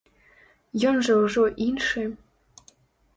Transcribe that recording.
Ён жа ўжо іншы.